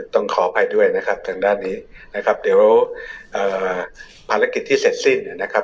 ขออภัยด้วยนะครับทางด้านนี้นะครับเดี๋ยวภารกิจที่เสร็จสิ้นนะครับ